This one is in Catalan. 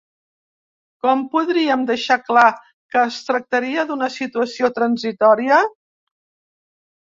Com podríem deixar clar que es tractaria d’una situació transitòria?